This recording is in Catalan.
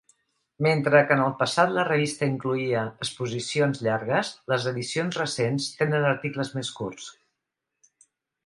Mentre que en el passat la revista incloïa exposicions llargues, les edicions recents tenen articles més curts.